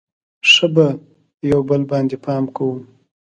ښه به یو بل باندې پام کوو.